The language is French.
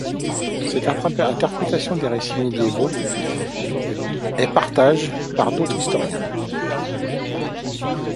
Cette interprétation des récits médiévaux est partage par d'autres historiens.